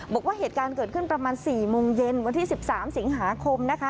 บอกว่าเหตุการณ์เกิดขึ้นประมาณ๔โมงเย็นวันที่๑๓สิงหาคมนะคะ